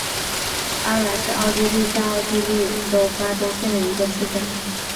阿兰是奥地利下奥地利州巴登县的一个市镇。